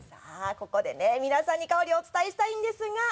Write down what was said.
ここでね皆さんに香りをお伝えしたいんですが。